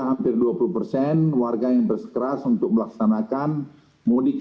hampir dua puluh persen warga yang bersekeras untuk melaksanakan mudik